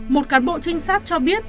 một cán bộ trinh sát cho biết